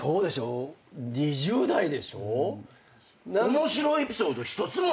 ２０代でしょ？